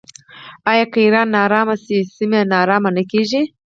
آیا که ایران ناارامه شي سیمه ناارامه نه کیږي؟